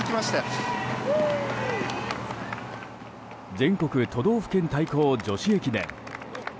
全国都道府県対抗女子駅伝。